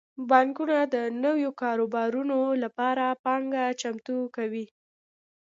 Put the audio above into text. بانکونه د نویو کاروبارونو لپاره پانګه چمتو کوي.